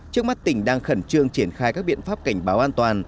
trước mắt tỉnh đang khẩn trương triển khai các biện pháp cảnh báo an toàn